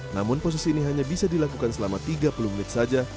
namun posisi ini hanya bisa dilakukan selama tiga puluh menit saja